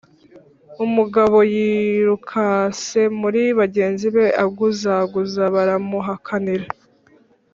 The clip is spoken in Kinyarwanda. Umugabo yirukase muri bagenzi be aguzaguza baramuhakanira